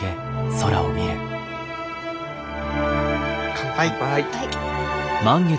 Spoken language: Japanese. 乾杯。